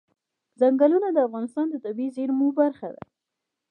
ځنګلونه د افغانستان د طبیعي زیرمو برخه ده.